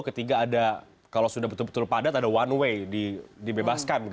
ketiga ada kalau sudah betul betul padat ada one way dibebaskan